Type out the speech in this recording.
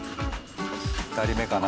２人目かな？